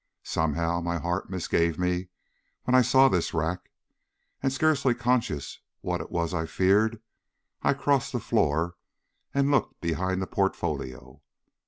Somehow my heart misgave me when I saw this rack, and, scarcely conscious what it was I feared, I crossed the floor and looked behind the portfolio.